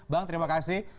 bang terima kasih